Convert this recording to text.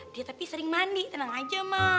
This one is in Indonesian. dia tapi sering mandi tenang aja mah